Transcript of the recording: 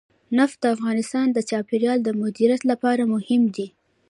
نفت د افغانستان د چاپیریال د مدیریت لپاره مهم دي.